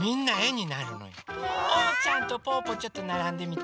おうちゃんとぽぅぽちょっとならんでみて。